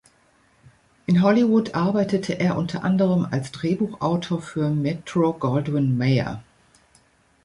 In Hollywood arbeitete er unter anderem als Drehbuchautor für Metro-Goldwyn-Mayer.